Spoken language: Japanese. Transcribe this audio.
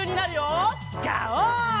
ガオー！